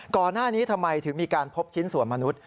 ก่อนหน้านี้ทำไมถึงมีการพบชิ้นส่วนมนุษย์